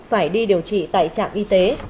phải đi điều trị tại trạm y tế